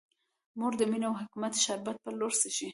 مور د مینې او حکمت شربت په لور څښي.